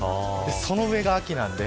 その上が秋なんで。